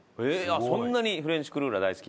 そんなにフレンチクルーラー大好き？